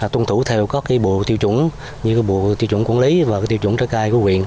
tuân thủ theo các cái bộ tiêu chủng như cái bộ tiêu chủng quản lý và cái tiêu chủng trái cây của huyện